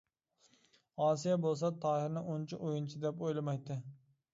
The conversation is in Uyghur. ئاسىيە بولسا تاھىرنى ئۇنچە ئويۇنچى دەپ ئويلىمايتتى.